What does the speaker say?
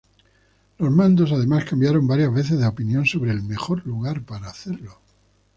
Los mandos además cambiaron varias veces de opinión sobre el mejor lugar para hacerlo.